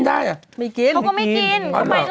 ใช้ปักธรีหรือว่าไปเกาหลีบ่อย